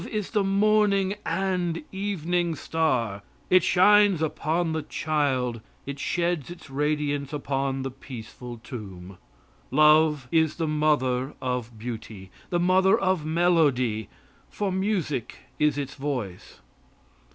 Love is the morning and evening star. It shines upon the child; it sheds its radiance upon the peaceful tomb. Love is the mother of beauty the mother of melody, for music is its voice.